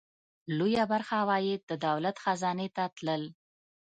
لویه برخه عواید د دولت خزانې ته تلل.